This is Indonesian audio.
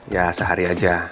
ya sehari aja